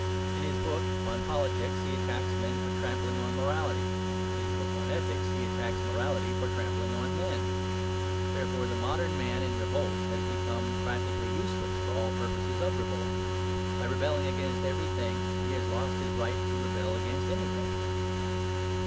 In his book on politics he attacks men for trampling on morality; in his book on ethics he attacks morality for trampling on men. Therefore the modern man in revolt has become practically useless for all purposes of revolt. By rebelling against everything he has lost his right to rebel against anything.